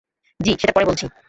জি, সেটা পরে বলছি।